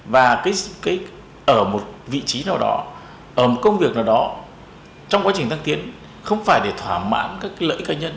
và ở một vị trí nào đó ở một công việc nào đó trong quá trình thăng tiến không phải để thỏa mãn các lợi ích cá nhân